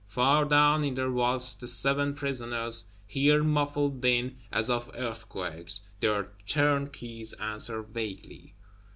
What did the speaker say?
Far down, in their vaults, the seven Prisoners hear muffled din as of earthquakes; their Turnkeys answer vaguely.